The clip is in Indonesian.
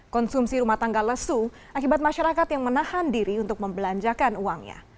konsumsi rumah tangga lesu akibat masyarakat yang menahan diri untuk membelanjakan uangnya